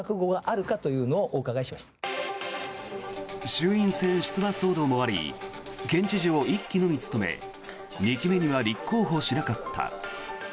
衆院選出馬騒動もあり県知事を１期のみ務め２期目には立候補しなかった。